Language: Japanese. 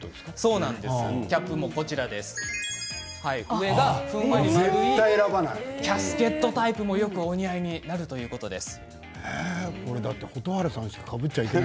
そうです、キャスケットタイプもよくお似合いになるということです。